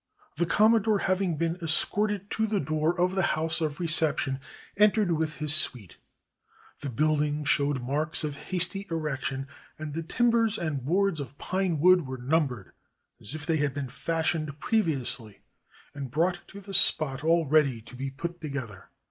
The Commodore having been escorted to the door of the house of reception, entered with his suite. The bmlding showed marks of hasty erection, and the tim bers and boards of pine wood were numbered, as if they had been fashioned previously and brought to the spot all ready to be put together.